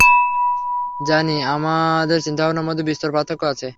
জানি, আমাদের চিন্তাভাবনার মধ্যে বিস্তর পার্থক্য আছে।